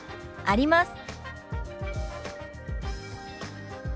「あります」。